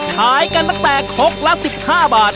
ขายกันตั้งแต่คกละ๑๕บาท